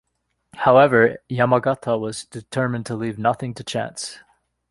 However, Yamagata was determined to leave nothing to chance.